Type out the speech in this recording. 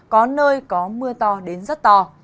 có nơi có mưa to đến rất to